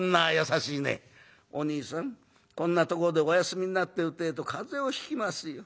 『おにいさんこんなとこでお休みになってるてえと風邪をひきますよ。